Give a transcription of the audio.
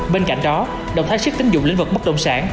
bên cạnh đó động thái sức tính dụng lĩnh vực bất đồng sản